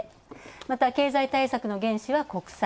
また経済対策の原資は国債。